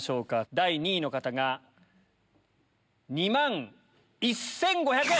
第２位の方が２万１５００円。